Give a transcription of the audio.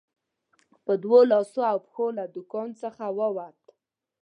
په دوو لاسو او پښو له دوکان څخه ووت.